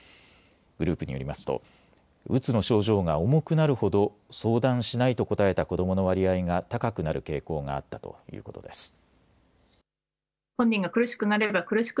グループによりますとうつの症状が重くなるほど相談しないと答えた子どもの割合が高くなる傾向があったということです。